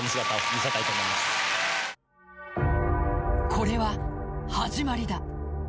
これは始まりだ。